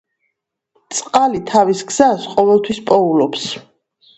წყალი თავის გზას ყოველთვის პოულობს.